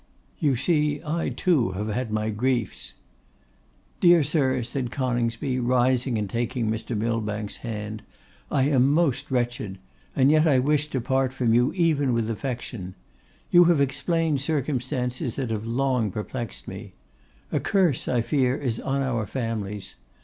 'You see, I too have had my griefs.' 'Dear sir,' said Coningsby, rising and taking Mr. Millbank's hand, 'I am most wretched; and yet I wish to part from you even with affection. You have explained circumstances that have long perplexed me. A curse, I fear, is on our families.